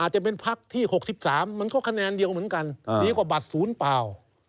จะเป็นพักที่๖๓มันก็คะแนนเดียวเหมือนกันดีกว่าบัตรศูนย์เปล่า